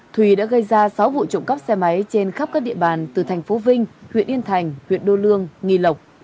thùy đã gây ra sáu vụ trộm cắp xe máy trên khắp các địa bàn từ thành phố vinh huyện yên thành huyện đô lương nghi lộc